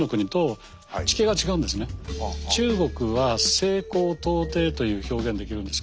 中国は「西高東低」という表現できるんです。